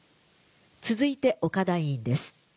続いて岡田委員です。